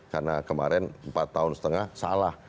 karena kemarin empat tahun setengah salah